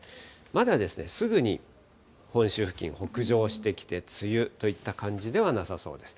まだ、すぐに本州付近、北上してきて梅雨といった感じではなさそうです。